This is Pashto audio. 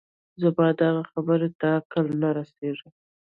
زما دغه خبرې ته عقل نه رسېږي